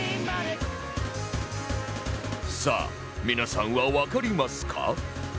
さあ皆さんはわかりますか？